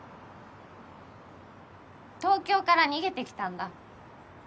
東京から逃げてきたんだ。